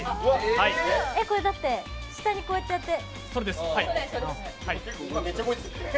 これだって下にこうやってやって。